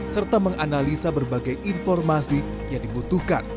serta menganalisa berbagai informasi yang dibutuhkan